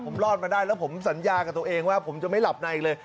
ผมรอดมาได้แล้วผมสัญญากับตัวเองว่าผมจะไม่หลับในอีกเลย